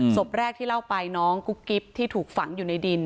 ศพแรกที่เล่าไปน้องกุ๊กกิ๊บที่ถูกฝังอยู่ในดิน